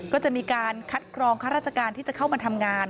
ก็จะมีการคัดกรองข้าราชการที่จะเข้ามาทำงาน